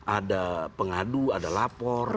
ada pengadu ada lapor